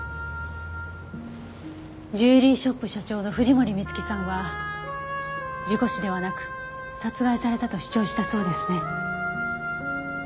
ジュエリーショップ社長の藤森充希さんは事故死ではなく殺害されたと主張したそうですね。